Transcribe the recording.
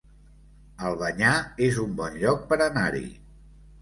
Albanyà es un bon lloc per anar-hi